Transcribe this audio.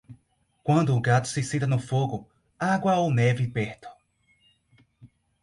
Quando o gato se senta no fogo, água ou neve perto.